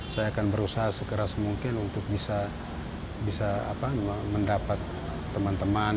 saya akan berusaha sekeras mungkin untuk bisa mendapat teman teman